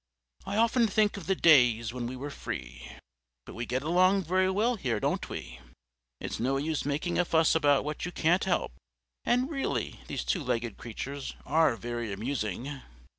I often think of the days when we were free, but we get along very well here, don't we? It's no use making a fuss about what you can't help, and really these two legged creatures are very amusing."